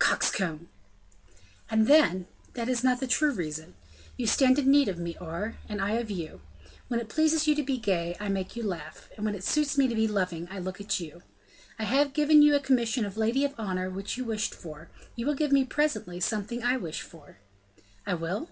"Coxcomb!" "And then, that is not the true reason. You stand in need of me, Aure, and I of you. When it pleases you to be gay, I make you laugh; when it suits me to be loving, I look at you. I have given you a commission of lady of honor which you wished for; you will give me, presently, something I wish for." "I will?"